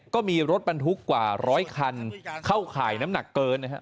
ก็มีรถบรรทุกกว่าร้อยคันเข้าข่ายน้ำหนักเกินนะครับ